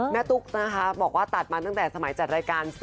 ตุ๊กนะคะบอกว่าตัดมาตั้งแต่สมัยจัดรายการ๔